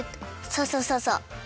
そうそうそうそう。